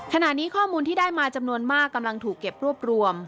ขณะนี้ข้อมูลที่ได้มาจำนวนมากกำลังถูกเก็บรวบรวม